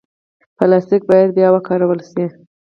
پلاستيک باید بیا وکارول شي.